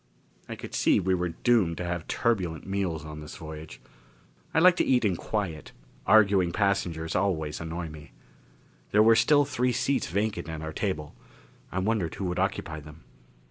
I could see we were doomed to have turbulent meals this voyage. I like to eat in quiet; arguing passengers always annoy me. There were still three seats vacant at our table; I wondered who would occupy them.